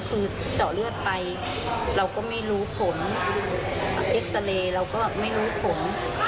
คือเจาะเลือดไปเราก็ไม่รู้ผลเอ็กซาเรย์เราก็แบบไม่รู้ผล